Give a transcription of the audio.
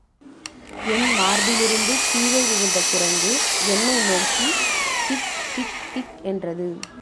என் மார்பிலிருந்து கீழே விழுந்த குரங்கு என்னை நோக்கி கிக் கிக் கிக் என்றது.